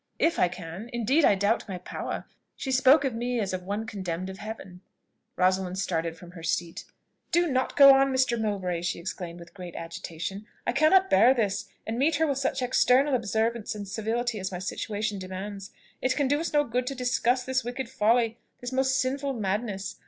"If I can! Indeed I doubt my power. She spoke of me as of one condemned of Heaven." Rosalind started from her seat. "Do not go on, Mr. Mowbray!" she exclaimed with great agitation; "I cannot bear this, and meet her with such external observance and civility as my situation demands. It can do us no good to discuss this wicked folly, this most sinful madness.